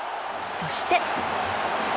そして。